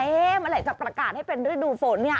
เมื่อไหร่จะประกาศให้เป็นฤดูฝนเนี่ย